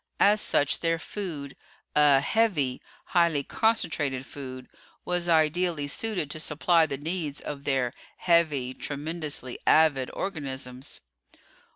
As such their food a "heavy," highly concentrated food was ideally suited to supply the needs of their "heavy," tremendously avid organisms.